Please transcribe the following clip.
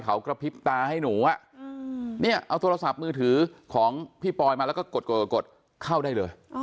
เอาโทรศัพท์มือถือของพี่ปอยมาแล้วก็กดกดกดเข้าได้เลย